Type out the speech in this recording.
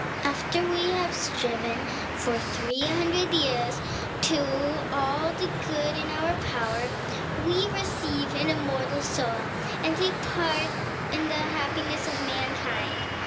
After we have striven for three hundred years to all the good in our power, we receive an immortal soul and take part in the happiness of mankind.